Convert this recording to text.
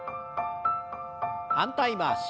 反対回し。